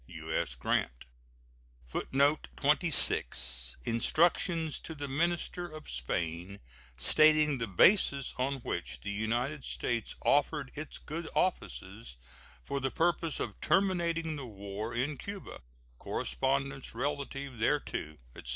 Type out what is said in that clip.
U.S. GRANT. [Footnote 26: Instructions to the minister to Spain stating the basis on which the United States offered its good offices for the purpose of terminating the war in Cuba, correspondence relative thereto, etc.